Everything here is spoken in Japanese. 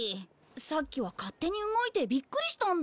さっきは勝手に動いてビックリしたんだ。